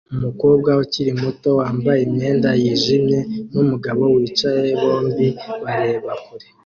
Umukobwa ukiri muto wambaye imyenda yijimye numugabo wicaye bombi bareba kure